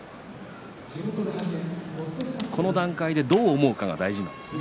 この段階でどう思うかが大事なんですね。